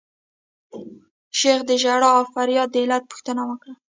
شیخ د ژړا او فریاد د علت پوښتنه وکړه.